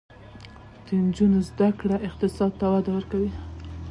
د نجونو زده کړه اقتصاد ته وده ورکوي.